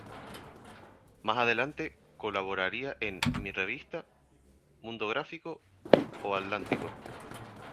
Más adelante colaboraría en "Mi Revista", "Mundo Gráfico" o "Atlántico".